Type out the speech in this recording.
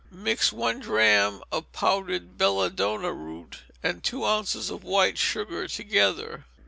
Mix one drachm of powdered belladonna root, and two ounces of white sugar, together.